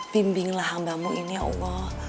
bimbinglah hambamu ini ya allah